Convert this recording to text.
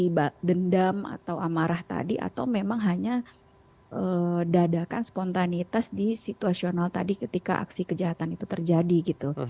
seperti dendam atau amarah tadi atau memang hanya dadakan spontanitas di situasional tadi ketika aksi kejahatan itu terjadi gitu